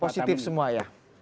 positif semua ya